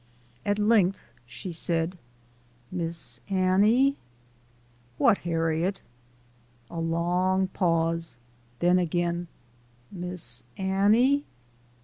At length she said, "Miss Annie?" "What, Harriet ?" A long pause ; then again, " Miss Annie?"